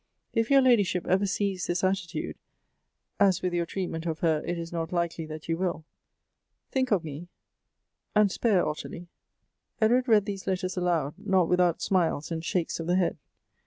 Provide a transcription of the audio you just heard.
If your ladyship ever sees this attitude, as with your treatment of her it is not likely that you will, think of me, and spare Ottilie." Edward read these letters aloud, not without smiles and shakes of the head.